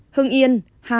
hưng yên hai